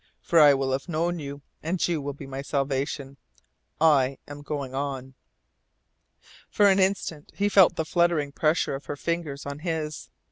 For I will have known you, and you will be my salvation. I am going on." For an instant he felt the fluttering pressure of her fingers on his.